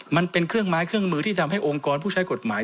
มันเป็นเครื่องไม้เครื่องมือที่ทำให้องค์กรผู้ใช้กฎหมาย